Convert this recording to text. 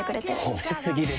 褒め過ぎですよ。